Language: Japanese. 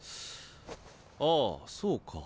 ああそうか。